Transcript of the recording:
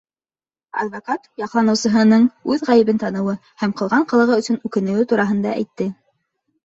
Адвокат яҡланыусыһының үҙ ғәйебен таныуы һәм ҡылған ҡылығы өсөн үкенеүе тураһында әйтте.